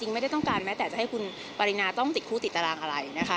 พฤติกรรมแบบนี้เกิดขึ้นซ้ำซาก